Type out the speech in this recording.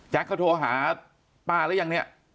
เขาโทรหาป้าหรือยังเนี่ย